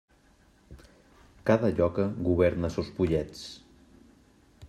Cada lloca governa sos pollets.